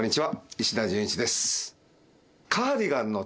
石田純一です。